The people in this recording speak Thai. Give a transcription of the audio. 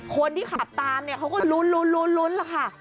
คนที่ขับตามก็รุนเลยค่ะ